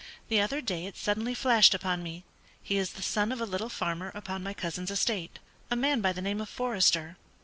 The other day it suddenly flashed upon me; he is the son of a little farmer upon my cousin's estate, a man by the name of Forester.